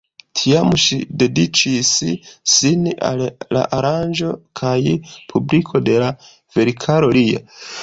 Tiam ŝi dediĉis sin al la aranĝo kaj publiko de la verkaro lia.